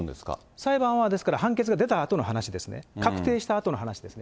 裁判は、ですから判決が出たあとの話ですねい、確定したあとの話ですね。